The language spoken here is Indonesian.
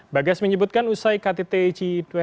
bagas menyebutkan usai kttg dua puluh